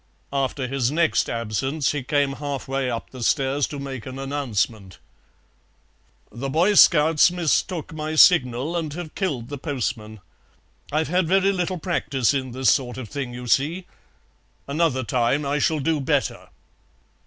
After his next absence he came half way up the stairs to make an announcement. "The Boy scouts mistook my signal, and have killed the postman. I've had very little practice in this sort of thing, you see. Another time I shall do better."